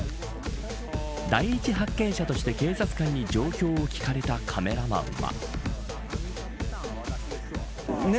第１発見者として警察官に状況を聞かれたカメラマンは。